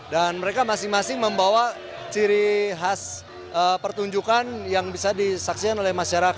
dan mereka masing masing membawa ciri khas pertunjukan yang bisa disaksikan oleh masyarakat